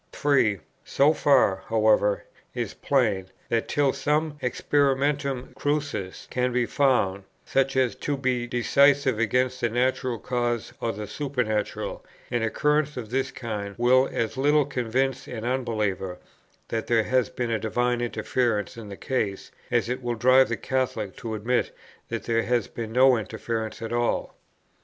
3. So far, however, is plain, that, till some experimentum crucis can be found, such as to be decisive against the natural cause or the supernatural, an occurrence of this kind will as little convince an unbeliever that there has been a divine interference in the case, as it will drive the Catholic to admit that there has been no interference at all.